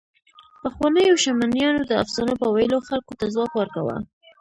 پخوانيو شمنیانو د افسانو په ویلو خلکو ته ځواک ورکاوه.